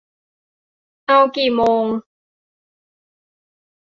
เอากี่โมง ?